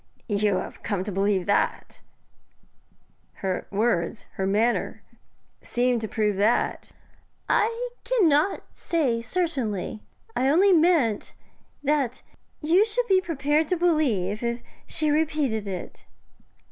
'You have come to believe that? Her words her manner seem to prove that?' 'I cannot say certainly. I only mean that you should be prepared to believe if she repeated it.'